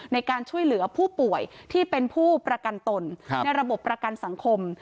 ในการช่วยเหลือผู้ป่วยที่เป็นผู้ประกันตนในระบบประกันสังคม